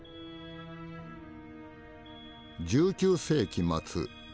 １９世紀末